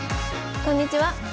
こんにちは。